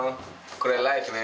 これはライクね。